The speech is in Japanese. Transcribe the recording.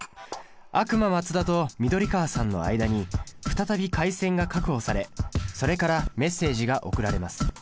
悪魔マツダと緑川さんの間に再び回線が確保されそれからメッセージが送られます。